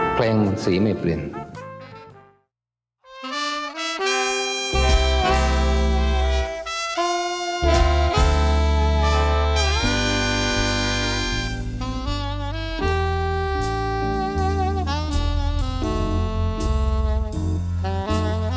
เพลงสีไม่เปลี่ยน